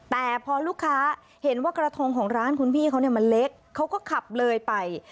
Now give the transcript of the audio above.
แต่พอลูกค้าเห็นว่ากระทงของร้านคุณพี่เขาเนี่ยมันเล็กเขาก็ขับเลยไป